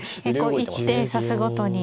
一手指すごとに。